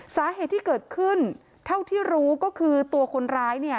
สาเหตุที่เกิดขึ้นเท่าที่รู้ก็คือตัวคนร้ายเนี่ย